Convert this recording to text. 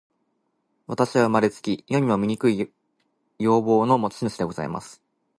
私は生れつき、世にも醜い容貌の持主でございます。